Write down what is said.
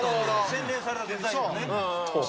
洗練されたデザインのね。